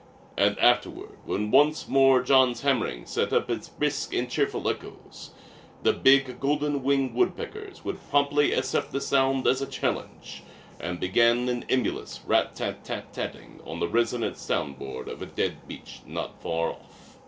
And afterward, when once more Jean's hammering set up its brisk and cheerful echoes, the big golden wing woodpeckers would promptly accept the sound as a challenge, and begin an emulous rat tat tat tat ting on the resonant sound board of a dead beech not far off.